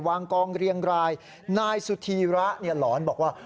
วางกองเรียงรายนายสุธีระเนี่ยหลอนบอกว่า